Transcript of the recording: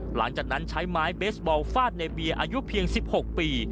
หลังจากนั้นใช้ไม้เบสบอลฟาดในเบียร์อายุเพียง๑๖ปี